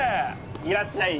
いらっしゃい。